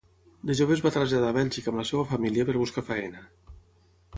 De jove es va traslladar a Bèlgica amb la seva família per buscar feina.